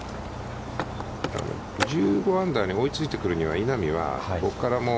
１５アンダーに追いついてくるには、稲見は、ここからもう。